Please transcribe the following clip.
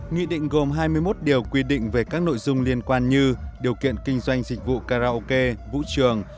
nghị định gồm hai mươi một điều quy định về các nội dung liên quan như điều kiện kinh doanh dịch vụ karaoke vũ trường